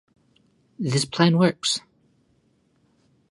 This plan works.